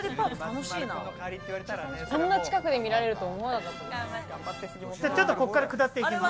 こんなに近くで見られるとは思わなかった。